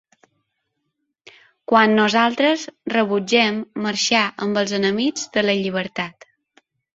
Quan nosaltres rebutgem marxar amb els enemics de la llibertat.